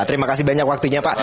terima kasih banyak waktunya pak